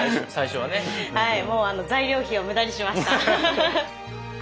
もう材料費を無駄にしました。